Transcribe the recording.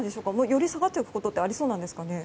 より下がっていくことってありそうなんですかね。